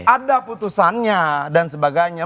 ada putusannya dan sebagainya